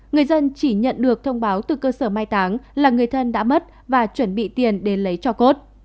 người dân chỉ nhận được thông báo từ cơ sở mai táng là người thân đã mất và chuẩn bị tiền đến lấy cho cốt